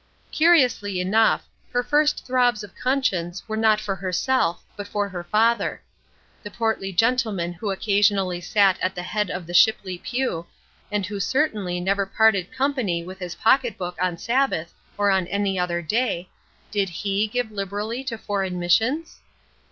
Curiously enough, her first throbs of conscience were not for herself but for her father. The portly gentleman who occasionally sat at the head of the Shipley pew, and who certainly never parted company with his pocket book on Sabbath or on any other day, did he give liberally to Foreign Missions?